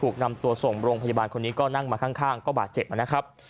คนนี้ก็นั่งมาข้างก็บาดเจ็บมานะครับ